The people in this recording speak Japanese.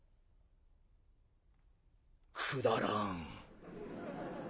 「くだらん。